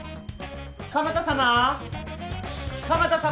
鎌田様？